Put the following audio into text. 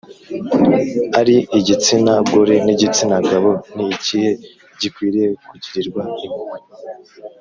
Ari igitsina gore n igitsina gabo ni ikihe gikwiriye kugirirwa impuhwe